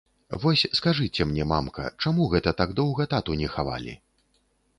Вось скажыце мне, мамка, чаму гэта так доўга тату не хавалі?